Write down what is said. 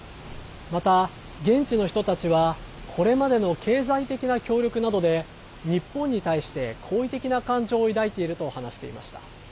また、現地の人たちはこれまでの経済的な協力などで日本に対して好意的な感情を抱いていると話していました。